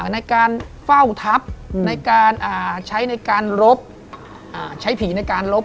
ในการเฝ้าทัพในการใช้ในการรบใช้ผีในการลบ